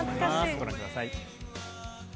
ご覧ください。